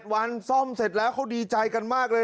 วันซ่อมเสร็จแล้วเขาดีใจกันมากเลย